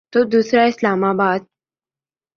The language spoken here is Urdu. تو دوسرا اسلام آباد۔